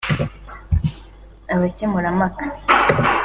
Abakemurampaka